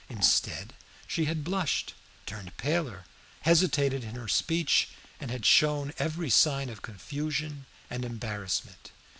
Instead she had blushed, turned paler, hesitated in her speech, and had shown every sign of confusion and embarrassment.